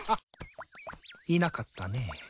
いなかったねぇ。